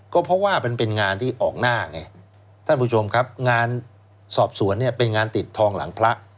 ก็เพราะว่ามันเป็นงานที่ออกหน้าไงท่านผู้ชมครับงานสอบสวนเนี่ยเป็นงานติดทองหลังพระ